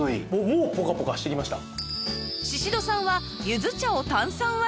もうポカポカしてきました。